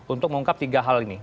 untuk mengungkap tiga hal ini